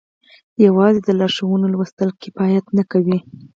يوازې د لارښوونو لوستل کفايت نه کوي.